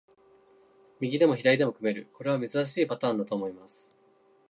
右でも左でも組める、これは珍しいパターンだと思います。